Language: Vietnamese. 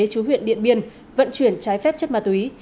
chú huyện điện biên vận chuyển trái phép chất ma túy